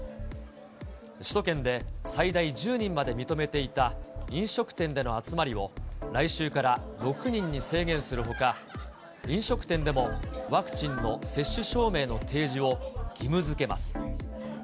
首都圏で最大１０人まで認めていた飲食店での集まりを、来週から６人に制限するほか、飲食店でもワクチンの接種証明の提示を義務づけます。